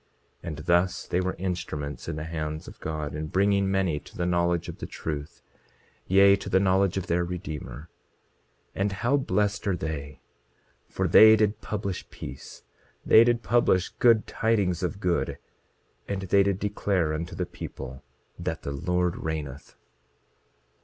27:36 And thus they were instruments in the hands of God in bringing many to the knowledge of the truth, yea, to the knowledge of their Redeemer. 27:37 And how blessed are they! For they did publish peace; they did publish good tidings of good; and they did declare unto the people that the Lord reigneth.